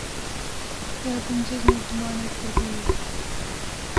Ya din Cejna Zimanê Kurdî ye.